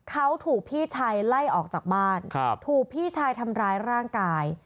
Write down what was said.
เขาถูกพี่ชายไล่ออกจากบ้านถูกพี่ชายทำร้ายร่างกาย